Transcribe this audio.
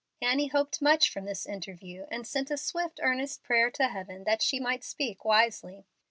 Annie hoped much from this interview, and sent a swift, earnest prayer to Heaven that she might speak wisely.